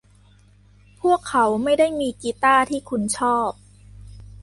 พวกเขาไม่ได้มีกีตาร์ที่คุณชอบ ?